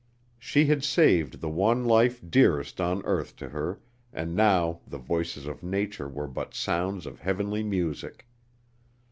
She had saved the one life dearest on earth to her, and now the voices of nature were but sounds of heavenly music.